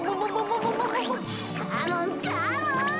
カモンカモン。